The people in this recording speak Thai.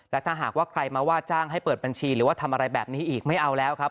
และถ้าหากว่าใครมาว่าจ้างให้เปิดบัญชีหรือว่าทำอะไรแบบนี้อีกไม่เอาแล้วครับ